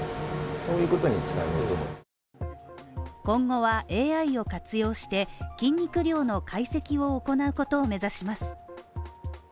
今後はＡＩを活用して、筋肉量の解析を行うことをめざします。